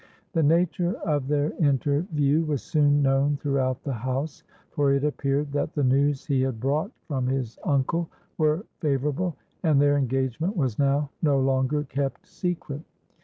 The nature of their interview was soon known throughout the house; for it appeared that the news he had brought from his uncle were favourable, and their engagement was now no longer kept secret.